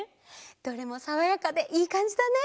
どれもさわやかでいいかんじだね。